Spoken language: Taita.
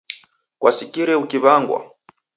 Kwasikire ukiw'angwa?